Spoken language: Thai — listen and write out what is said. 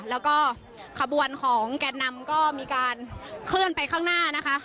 แล้วก็ขบวนของแก่นำก็มีการเคลื่อนไปข้างหน้านะคะ